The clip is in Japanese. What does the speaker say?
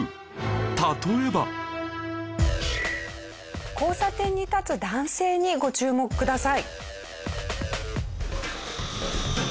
例えば交差点に立つ男性にご注目ください。